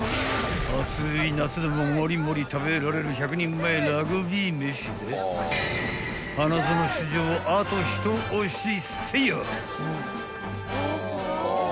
［暑い夏でもモリモリ食べられる１００人前ラグビー飯で花園出場をあと一押しせいや！］